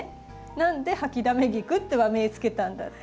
なんでハキダメギクって和名付けたんだって。